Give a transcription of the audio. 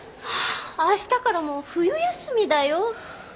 はあ明日からもう冬休みだよ。